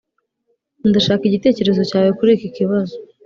ndashaka igitekerezo cyawe kuri iki kibazo.